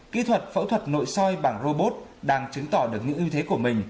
kỹ thuật phẫu thuật nội soi bằng robot đang chứng tỏ được những ưu thế của mình